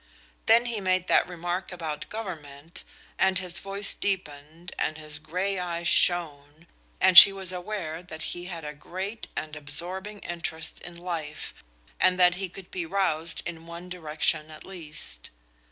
Then he made that remark about government, and his voice deepened, and his gray eyes shone, and she was aware that he had a great and absorbing interest in life, and that he could be roused in one direction at least.